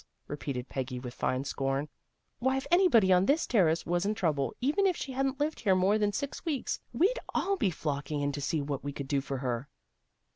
" repeated Peggy with fine scorn. " Why, if anybody on this Terrace was in trouble, even if she hadn't lived here more than six weeks, we'd all be flocking in to see what we could do for her."